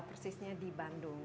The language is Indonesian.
persisnya di bandung